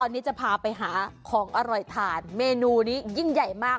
ตอนนี้จะพาไปหาของอร่อยทานเมนูนี้ยิ่งใหญ่มาก